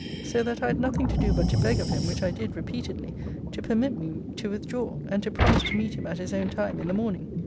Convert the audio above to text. So that I had nothing to do but to beg of him (which I did repeatedly) to permit me to withdraw: and to promise to meet him at his own time in the morning.